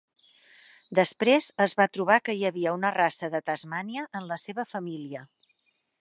Després, es va trobar que hi havia una raça de Tasmània en la seva família!